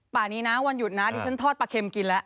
ป่านี้นะวันหยุดนะดิฉันทอดปลาเค็มกินแล้ว